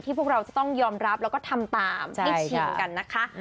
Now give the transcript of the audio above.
พวกเราจะต้องยอมรับแล้วก็ทำตามให้ชิมกันนะคะ